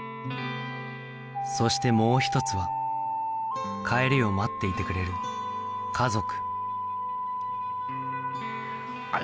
そしてもう一つは帰りを待っていてくれる家族